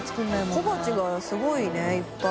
小鉢がすごいねいっぱい。